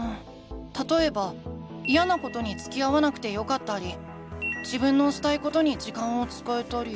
たとえばイヤなことにつきあわなくてよかったり自分のしたいことに時間を使えたり。